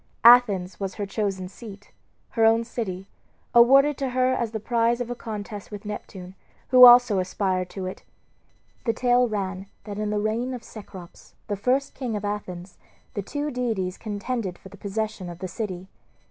Athens was her chosen seat, her own city, awarded to her as the prize of a contest with Neptune, who also aspired to it. The tale ran that in the reign of Cecrops, the first king of Athens, the two deities contended for the possession of the city.